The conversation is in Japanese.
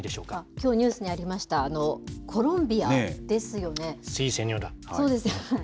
きょう、ニュースにありましたコロンビアですよね。